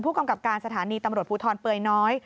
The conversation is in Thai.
กำกับการสถานีตำรวจภูทรเปื่อยน้อย